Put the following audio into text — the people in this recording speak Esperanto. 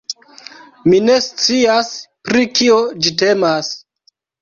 Mi ne scias pri kio ĝi temas